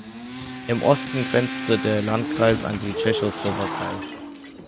Im Osten grenzte der Landkreis an die Tschechoslowakei.